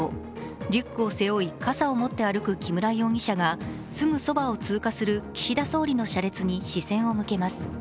リュックを背負い、傘を持って歩く木村容疑者がすぐそばを通過する岸田総理の車列に視線を向けます。